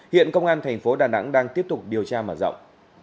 hiện công an thành phố đà nẵng đang tiếp tục điều tra mở rộng